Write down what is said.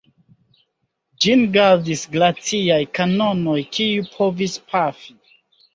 Ĝin gardis glaciaj kanonoj, kiuj povis pafi.